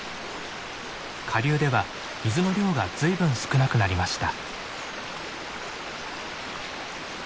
下流では水の量が随分少なくなりました。